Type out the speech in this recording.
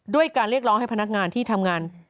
ด้วยการเรียกร้องให้พนักงานที่ทำงาน